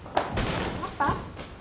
パパ！